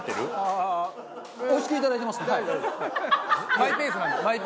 マイペースなので。